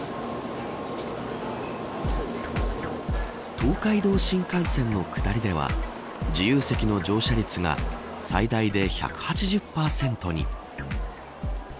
東海道新幹線の下りでは自由席の乗車率が最大で１８０％に。